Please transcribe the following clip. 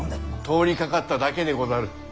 通りかかっただけでござる。